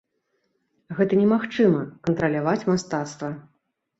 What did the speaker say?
Гэта немагчыма, кантраляваць мастацтва.